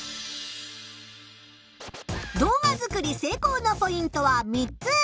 動画作り成功のポイントは３つ。